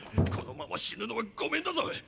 このまま死ぬのはゴメンだぞ！！